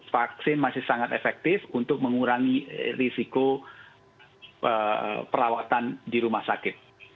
vaksin masih sangat efektif untuk mengurangi risiko perawatan di rumah sakit